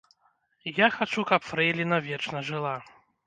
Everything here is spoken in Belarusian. Я хачу, каб фрэйліна вечна жыла.